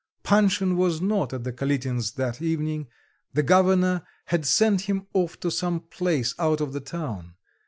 Panshin was not at the Kalitins' that evening. The governor had sent him off to some place out of the town.